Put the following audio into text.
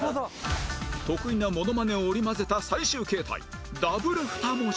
得意なモノマネを織り交ぜた最終形態 Ｗ２ 文字